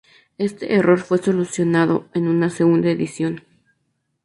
Este error fue solucionado en una segunda edición.